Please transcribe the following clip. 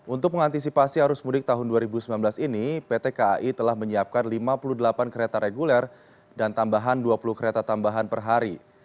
untuk mengantisipasi arus mudik tahun dua ribu sembilan belas ini pt kai telah menyiapkan lima puluh delapan kereta reguler dan tambahan dua puluh kereta tambahan per hari